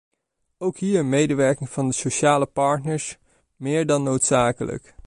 Ook hier medewerking van de sociale partners, meer dan noodzakelijk.